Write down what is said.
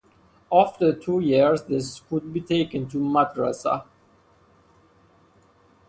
After two years they could be taken to madrasah.